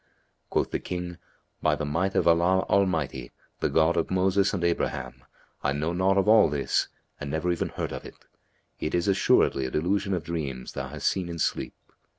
Quoth the King, "By the Might of Allah Almighty, the God of Moses and Abraham, I know naught of all this and never even heard of it; it is assuredly a delusion of dreams thou hast seen in sleep.'